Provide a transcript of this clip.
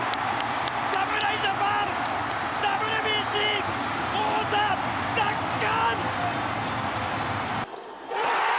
侍ジャパン、ＷＢＣ王座奪還！